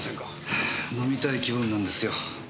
はぁ飲みたい気分なんですよ。